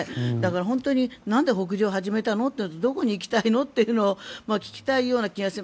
本当になんで北上を始めたのというのとどこに行きたいの？というのを聞きたいような気がする。